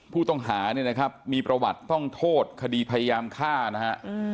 ผู้ต้องหาเนี่ยนะครับมีประวัติต้องโทษคดีพยายามฆ่านะฮะ